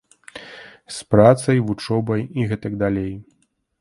З працай, вучобай і гэтак далей.